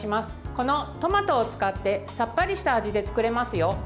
このトマトを使ってさっぱりした味で作れますよ。